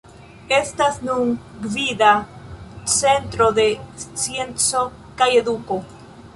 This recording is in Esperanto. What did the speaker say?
Estas nun gvida centro de scienco kaj eduko.